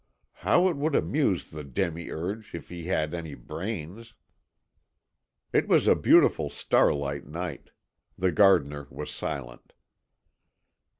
How it would amuse the demiurge, if he had any brains!" It was a beautiful starlight night. The gardener was silent.